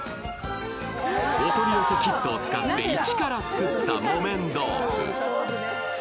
お取り寄せキットを使って一から作った木綿豆腐。